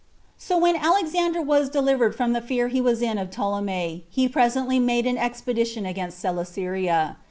3. So when Alexander was delivered from the fear he was in of Ptolemy, he presently made an expedition against Coelesyria.